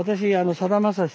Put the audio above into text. さだまさし。